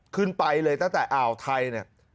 ขึ้นไปเลยตั้งแต่อ่าวไทยเนี่ย